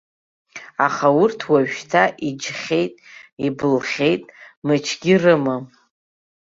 Аха урҭ уажәшьҭа иџьхьеит, ибылхьеит, мычгьы рымам.